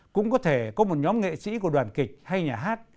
cũng có thể có một nhóm nghệ sĩ của đoàn kịch hay nhà hát